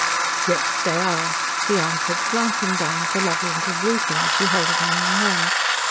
"Yes, they are," he answered, glancing down at the lovely little blue thing as she held it in her hand.